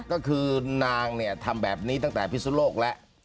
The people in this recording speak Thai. ก็คือนางทำแบบนี้ตั้งแต่พฤษณโลกแล้ว